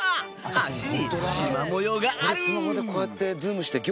脚にしま模様がある！